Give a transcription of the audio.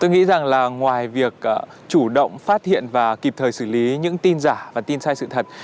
tôi nghĩ rằng là ngoài việc chủ động phát hiện và kịp thời xử lý những tin giả và tin sai sự thật